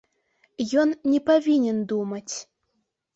Ён не павінен думаць.